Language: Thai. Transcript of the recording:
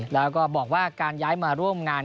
แล้วก็บอกว่าการย้ายมาร่วมงาน